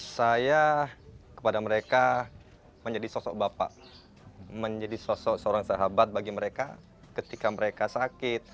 saya kepada mereka menjadi sosok bapak menjadi sosok seorang sahabat bagi mereka ketika mereka sakit